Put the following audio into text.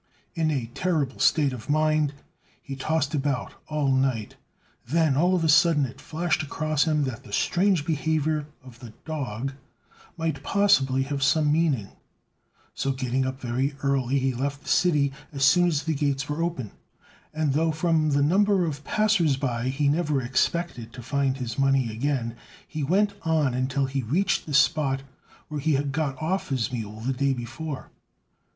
In a terrible state of mind he tossed about all night; then, all of a sudden, it flashed across him that the strange behaviour of the dog might possibly have some meaning; so getting up very early, he left the city as soon as the gates were open, and though, from the number of passers by, he never expected to find his money again, he went on until he reached the spot where he had got off his mule the day before.